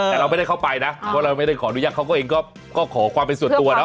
แต่เราไม่ได้เข้าไปนะเพราะเราไม่ได้ขออนุญาตเขาก็เองก็ขอความเป็นส่วนตัวเนาะ